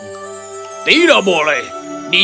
tidak boleh dia berikan anakku pada makhluk buas